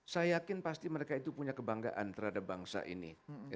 saya yakin pasti mereka itu punya kebanggaan terhadap bangsa ini